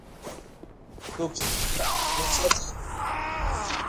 څوک چې د جنګ ډګر تود ساتي.